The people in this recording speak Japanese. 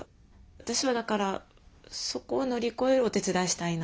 私はだからそこを乗り越えるお手伝いしたいなって思います。